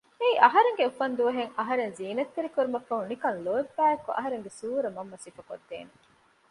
އެއީ އަހަރެންގެ އުފަންދުވަހު އަހަރެން ޒީނަތްތެރި ކުރުމަށްފަހު ނިކަން ލޯތްބާއެކު އަހަރެންގެ ސޫރަ މަންމަ ސިފަކޮށްދޭނެ